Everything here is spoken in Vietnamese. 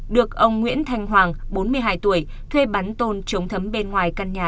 được ông nguyễn thanh hoàng bốn mươi hai tuổi thuê bắn tôn chống thấm bên ngoài căn nhà